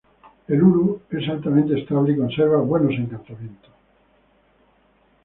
El uru es altamente estable y conserva buenos encantamientos.